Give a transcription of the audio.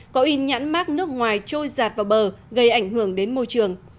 có in nhãn mát nước ngoài trôi giạt vào bờ gây ảnh hưởng đến môi trường